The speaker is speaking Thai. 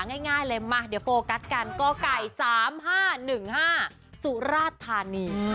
ง่ายเลยมาเดี๋ยวโฟกัสกันกไก่๓๕๑๕สุราธานี